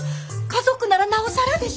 家族ならなおさらでしょ？